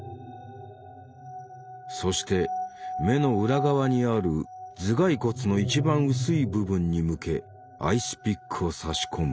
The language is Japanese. そして目の裏側にある頭蓋骨の一番薄い部分に向けアイスピックを差し込む。